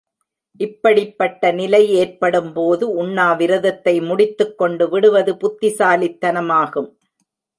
இப்படிப்பட்ட நிலை ஏற்படும்போது, உண்ணாவிரதத்தை முடித்துக் கொண்டு விடுவது புத்திசாலித்தனமாகும்.